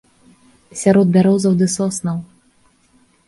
Сярод бярозаў ды соснаў.